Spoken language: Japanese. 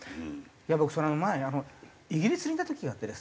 僕前イギリスにいた時があってですね。